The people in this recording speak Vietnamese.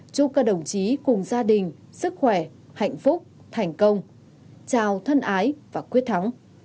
chúc các đồng chí cùng gia đình sức khỏe hạnh phúc thành công chào thân ái và quyết thắng